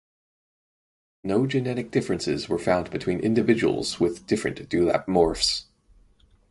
No genetic differences were found between individuals with different dewlap morphs.